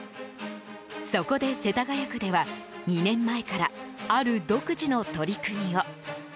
そこで、世田谷区では２年前からある独自の取り組みを。